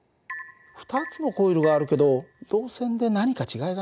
２つのコイルがあるけど導線で何か違いがないかな？